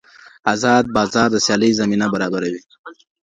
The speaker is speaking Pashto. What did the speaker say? ازاد بازار د سیالۍ زمینه برابروي.